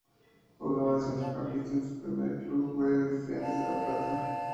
Jugaba de centrocampista y su primer club fue Estudiantes de La Plata.